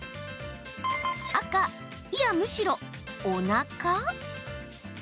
赤・いや、むしろ、おなか？